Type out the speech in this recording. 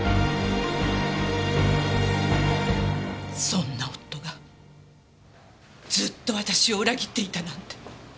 そんな夫がずっと私を裏切っていたなんて。